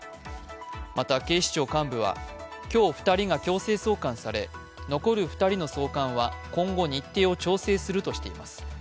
また、警視庁幹部は、今日２人が強制送還され残る２人の送還は今後日程を調整するとしています。